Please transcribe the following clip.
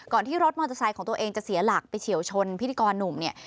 ที่รถมอเตอร์ไซค์ของตัวเองจะเสียหลักไปเฉียวชนพิธีกรหนุ่มเนี่ย